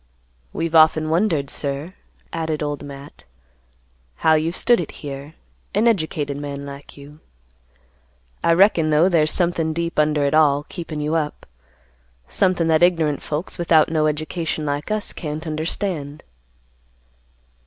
"We've often wondered, sir," added Old Matt, "how you've stood it here, an educated man like you. I reckon, though, there's somethin' deep under it all, keepin' you up; somethin' that ignorant folks, without no education, like us, can't understand."